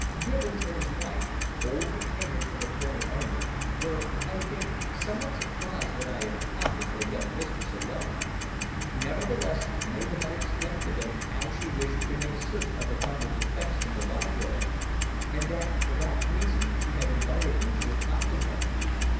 Gibbons and his wife, old retainers of the former owners, were, I think, somewhat surprised that I had accompanied their young mistress alone, nevertheless Mabel had explained to them how she wished to make a search of her father's effects in the library, and that for that reason she had invited me to accompany her.